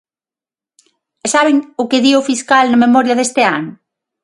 ¿E saben o que di o fiscal na memoria deste ano?